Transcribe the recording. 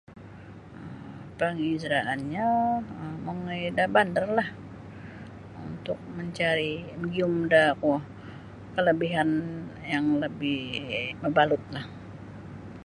Panghijrahannyo mongoi da bandarlah untuk mencari magiyum da kuo kelebihan yang lebih mabalutlah.